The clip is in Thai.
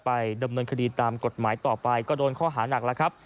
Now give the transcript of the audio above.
ดำเนินคดีตามกฎหมายต่อไปก็โดนข้อหานักแล้วครับ